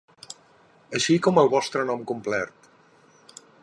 Així com el vostre nom complert.